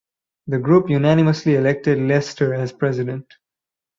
The group unanimously elected Leicester as president.